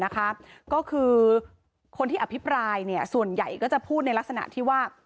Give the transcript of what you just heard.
ก็คือคนที่อภิปรายส่วนใหญ่ก็จะพูดในลักษณะที่ว่า